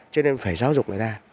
cho nên phải giáo dục người ta